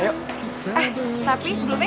ya takut dit simmer dua